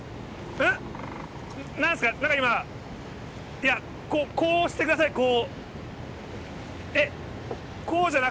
いやこうしてくださいこう。